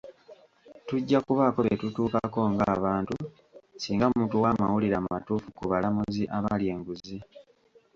Tujja kubaako bye tutuukako ng'abantu, singa mutuwa amawulire amatuufu ku balamuzi abalya enguzi.